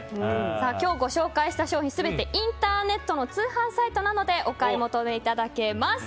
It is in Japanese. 今日ご紹介した商品全てインターネットなどの通販サイトなどでお買い求めいただけます。